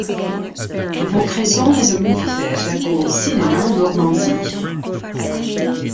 Vaucresson has a movie theatre called "Cinema Normandie".